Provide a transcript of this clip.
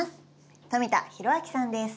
富田裕明さんです。